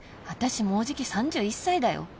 私もうじき３１歳だよ